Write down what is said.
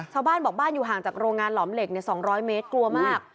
ชาวบ้านบอกบ้านอยู่ห่างจากโรงงานหลอมเหล็ก๒๐๐เมตรกลัวมาก